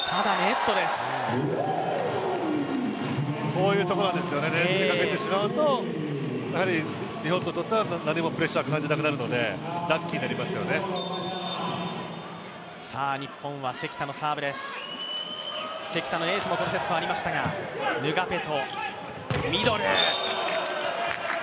こういうところなんですよね、ネットにかけてしまうと日本にとっては何もプレッシャーを感じなくなりますのでラッキーになりますよね。